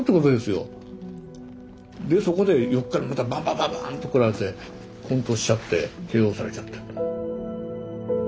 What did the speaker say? でそこで横からまたバンバンバンバンとこられてこん倒しちゃってＫＯされちゃった。